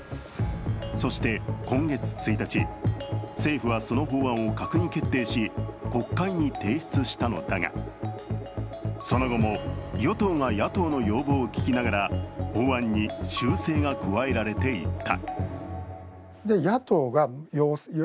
そして今月１日、政府はその法案を閣議決定し国会に提出したのだがその後も与党が野党の要望を聞きながら法案に修正が加えられていった。